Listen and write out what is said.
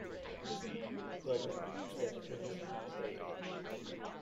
But, step in, pray!